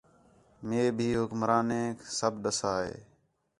مئے بھی حکمرانیک سب ݙَسّا ہِے